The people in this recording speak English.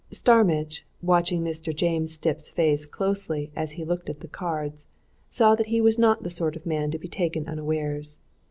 Starmidge, watching Mr. James Stipp's face closely as he looked at the cards, saw that he was not the sort of man to be taken unawares.